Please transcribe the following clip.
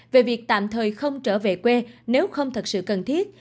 về việc tạm thời không trở về quê nếu không thật sự cần thiết